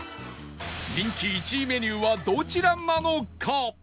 人気１位メニューはどちらなのか？